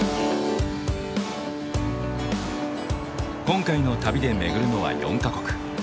今回の旅で巡るのは４か国。